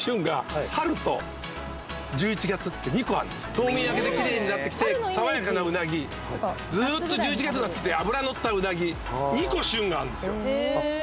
冬眠明けでキレイになってきて爽やかなうなぎずっと１１月がきて脂のったうなぎ２個旬があるんですよ